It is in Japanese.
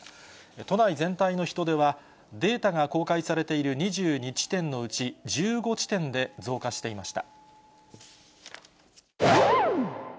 都内全体の人出は、データが公開されている２２地点のうち、１５地点で増加していました。